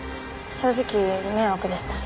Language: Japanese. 正直迷惑でしたし。